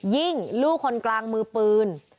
ยิ่งลูกคนกลางมือปืน